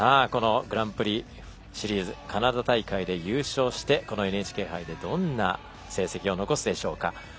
グランプリシリーズカナダ大会で優勝して、このＮＨＫ杯でどんな成績を残すでしょうか。